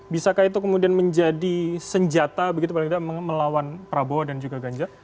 bisakah itu kemudian menjadi senjata begitu paling tidak melawan prabowo dan juga ganjar